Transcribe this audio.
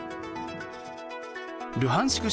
ルハンシク